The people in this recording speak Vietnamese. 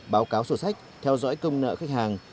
báo cáo sổ sách theo dõi công nợ khách hàng